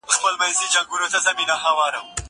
زه مخکي د کتابتون پاکوالی کړی وو!!